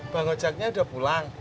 bang ngojeknya udah pulang